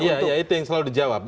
ya itu yang selalu dijawab